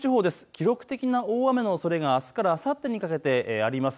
記録的な大雨のおそれがあすからあさってにかけてあります。